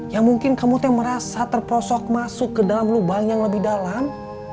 ya mungkin kamu tuh merasa terprosok masuk ke dalam lubang yang lebih dalam